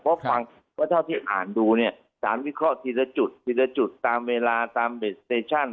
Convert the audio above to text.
เพราะฟังว่าเท่าที่อ่านดูเนี่ยสารวิเคราะห์ทีละจุดทีละจุดตามเวลาตามเบสเตชั่น